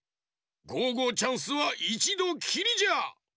ゴーゴーチャンスはいちどきりじゃ！